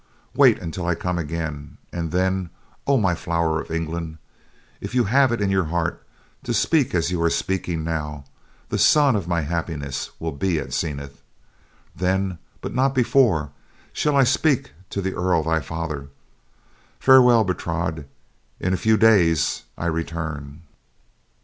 Wait until I come again and then, oh my flower of all England, if you have it in your heart to speak as you are speaking now, the sun of my happiness will be at zenith. Then, but not before, shall I speak to the Earl, thy father. Farewell, Bertrade, in a few days I return."